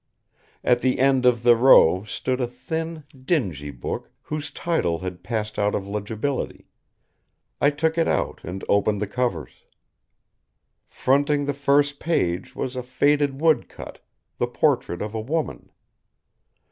At the end of the row stood a thin, dingy book whose title had passed out of legibility. I took it out and opened the covers. Fronting the first page was a faded woodcut, the portrait of a woman.